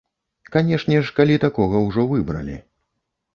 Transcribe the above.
Канешне ж, калі такога ўжо выбралі.